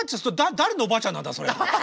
誰のおばあちゃんなんだそれって。